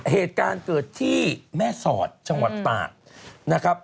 เหตุการณ์เกิดที่แม่ศอดจังหวัดตา